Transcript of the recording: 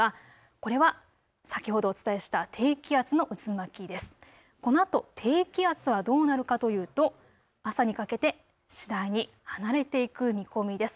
このあと低気圧はどうなるかというと、朝にかけて次第に離れていく見込みです。